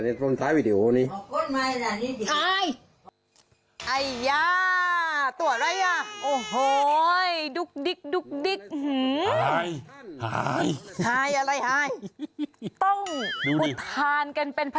แก้ตัวคุณฟอร์ง